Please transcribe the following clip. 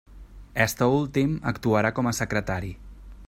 Este últim actuarà com a secretari.